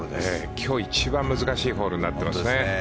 今日一番難しいホールになっていますね。